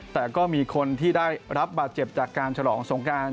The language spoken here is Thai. แต่ก็มีคนที่ได้รับบาดเจ็บจากการฉลองสงการ